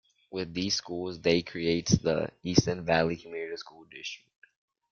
With these schools they creates the Easton Valley Community School District.